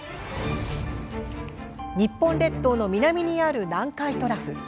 日本列島の南にある南海トラフ。